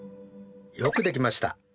よくできました。